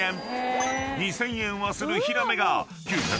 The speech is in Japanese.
［２，０００円はするヒラメが］